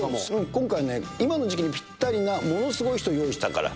今回ね、今の時期にぴったりなものすごい人用意したから。